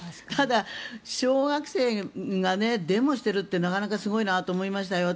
ただ、小学生がデモをしてるってなかなかすごいなと思いました。